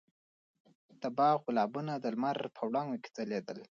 د باغ ګلابونه د لمر په وړانګو کې ځلېدل.